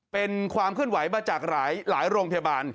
เป็นความเคลื่อนไหวมาจากหลายโรงพยาบาล